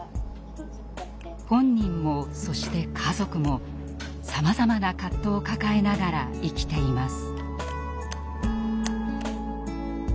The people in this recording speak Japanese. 本人もそして家族もさまざまな葛藤を抱えながら生きています。